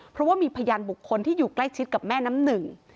เพราะว่ามีพยานบุคคลที่อยู่ใกล้ชิดกับแม่น้ำหนึ่ง